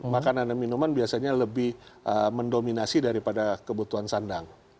makanan dan minuman biasanya lebih mendominasi daripada kebutuhan sandang